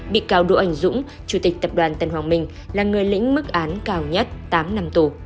bị cáo đỗ anh dũng chủ tịch tập đoàn tân hoàng minh là người lĩnh mức án cao nhất tám năm tù